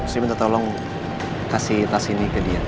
saya minta tolong kasih tas ini ke dia